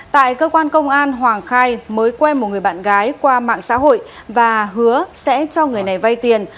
tại cơ quan công an hoàng khai mới quen một người bạn gái qua mạng xã hội và hứa sẽ cho người này vay tiền